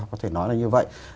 có thể nói là như vậy